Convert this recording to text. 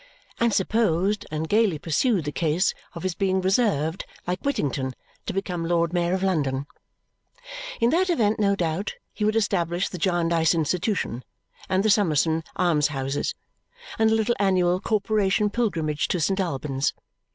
and supposed and gaily pursued the case of his being reserved like Whittington to become Lord Mayor of London. In that event, no doubt, he would establish the Jarndyce Institution and the Summerson Almshouses, and a little annual Corporation Pilgrimage to St. Albans.